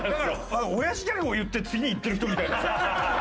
だからおやじギャグを言って次いってる人みたいな。